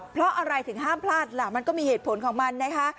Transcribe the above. เพราะอะไรถึงห้ามพลาดล่ะมันก็มีเหตุผลของมันนะคะ